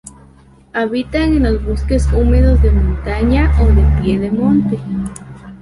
Habitan en los bosques húmedos de montaña o de piedemonte.